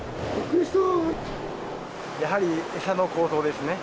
やはり餌の高騰ですね。